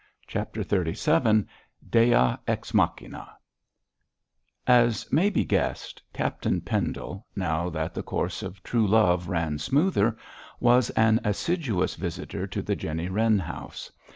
CHAPTER XXXVII DEA EX MACHINÂ As may be guessed, Captain Pendle, now that the course of true love ran smoother, was an assiduous visitor to the Jenny Wren house.